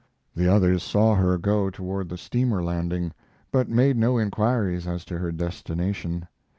The others saw her go toward the steamer landing, but made no inquiries as to her destination.